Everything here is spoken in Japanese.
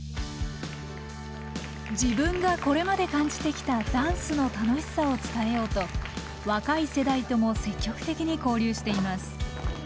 自分がこれまで感じてきたダンスの楽しさを伝えようと若い世代とも積極的に交流しています。